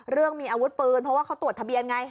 เรื่องมีอาวุธปืนเพราะว่าเขาตรวจทะเบียนไง